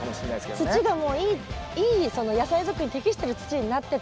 土がもういい野菜づくりに適してる土になってたんですかね。